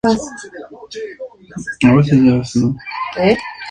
La compañía es la mayor empresa rusa en la construcción de puentes.